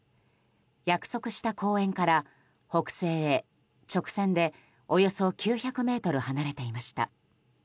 約束した公園から北西へ直線でおよそ９００ｍ離れていました。